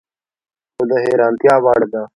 خو د حیرانتیا وړ ده